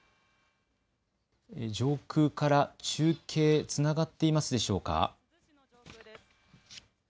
上空から中継がつながっていますでしょうか。